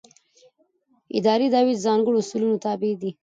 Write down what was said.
اداري دعوې د ځانګړو اصولو تابع دي.